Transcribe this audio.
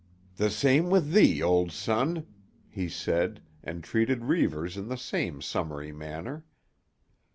"The same with thee, old son," he said, and treated Reivers in the same summary manner.